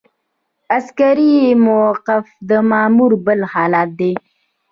عسکري موقف د مامور بل حالت دی.